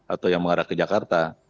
atau yang mengarah ke jakarta